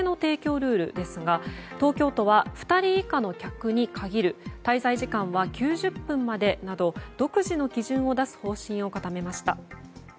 ルールですが東京都は、２人以下の客に限る滞在時間は９０分までなど独自の基準を出す方針を固めました。